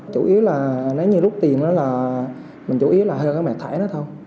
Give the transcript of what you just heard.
chủ yếu là nếu như rút tiền đó là mình chủ yếu là hơn các mẹ thẻ đó thôi